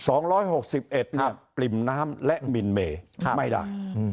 สองร้อยหกสิบเอ็ดเนี่ยปริ่มน้ำและมินเมย์ไม่ได้อืม